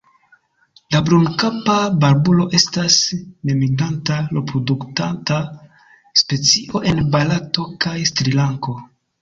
La Brunkapa barbulo estas nemigranta reproduktanta specio en Barato kaj Srilanko.